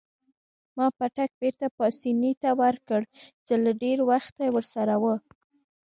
ما پتک بیرته پاسیني ته ورکړ چې له ډیر وخته ورسره وو.